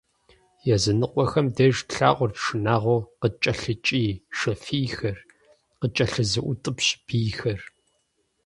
Языныкъуэхэм деж тлъагъурт шынагъуэу къыткӀэлъыкӀий, шэ фийхэр къыткӀэлъызыутӀыпщ бийхэр.